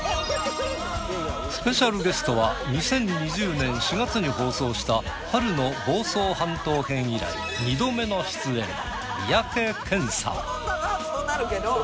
スペシャルゲストは２０２０年４月に放送した春の房総半島編以来二度目の出演三宅健さん。